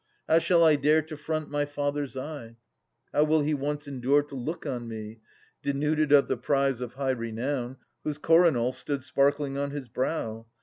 How shall I dare to front my father's eye? How will he once endure to look on me. Denuded of the prize of high renown. Whose coronal stood sparkling on his brow?